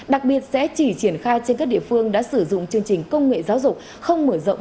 đặc biệt sẽ chỉ triển khai trên các địa phương đã sử dụng chương trình công nghệ giáo dục không mở rộng